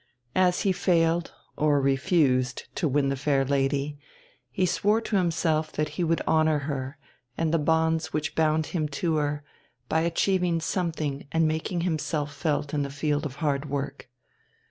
As he failed, or refused, to win the fair lady, he swore to himself that he would honour her, and the bonds which bound him to her, by achieving something and making himself felt in the field of hard work.